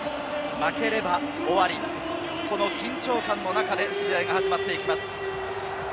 負ければ終わり、この緊張感の中で試合が始まっていきます。